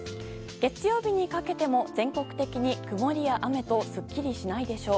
月曜日にかけても全国的に曇りや雨とすっきりしないでしょう。